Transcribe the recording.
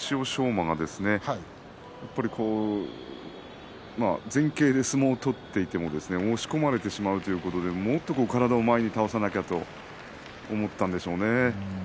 馬が前傾で相撲を取っていても押し込まれてしまうということでもっと体を前に倒さなきゃと思ったんでしょうね。